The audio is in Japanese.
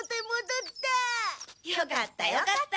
よかったよかった。